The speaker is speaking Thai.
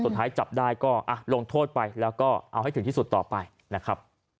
สุดท้ายจับได้ก็ลงโทษไปแล้วก็เอาให้ถึงที่สุดต่อไปนะครับ